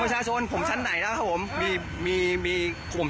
ผมเนี่ยร้อยเวียนครับ